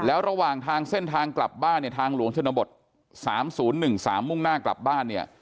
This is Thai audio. แล้วระหว่างทางเส้นทางกลับบ้านเนี่ยทางหลวงชนบท๓๐๑๓มุ่งหน้ากลับบ้านเนี่ย